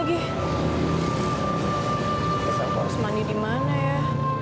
bisa kursus money di mana ya